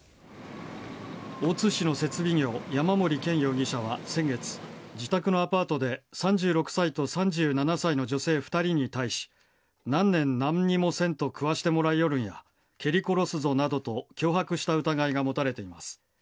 大津市の設備業山森健容疑者は先月自宅のアパートで３６歳と３７歳の女性２人に対し何年、何にもせんと食わしてもらいよるんや蹴り殺すぞなどと脅迫した疑いが持たれています。